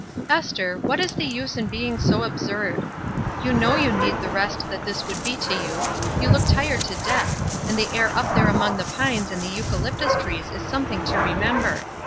"Esther, what is the use in being so absurd? You know you need the rest that this would be to you. You look tired to death; and the air up there among the pines and the eucalyptus trees is something to remember.